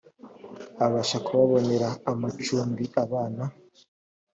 abasha kubabonera amacumbi abana